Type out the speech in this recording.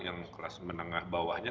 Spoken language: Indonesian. yang kelas menengah bawahnya